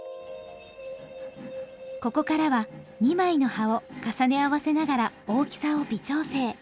ここからは２枚の刃を重ね合わせながら大きさを微調整。